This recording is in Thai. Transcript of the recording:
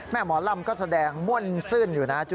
หมอลำก็แสดงม่วนซื่นอยู่นะ